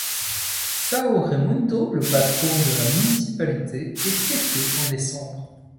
São Raimundo, le patron de la municipalité est fêté en décembre.